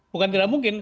bukan tidak mungkin